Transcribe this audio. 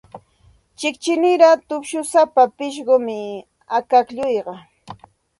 Chiqchiniraq tupshusapa pishqum akaklluqa.